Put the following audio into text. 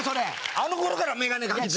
あの頃から眼鏡かけてた。